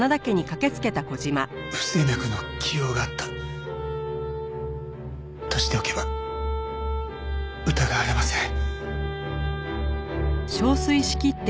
不整脈の既往があったとしておけば疑われません。